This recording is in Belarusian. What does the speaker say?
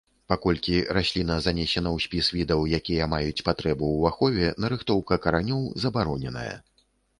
Паколькі расліна занесена ў спіс відаў, якія маюць патрэбу ў ахове, нарыхтоўка каранёў забароненая.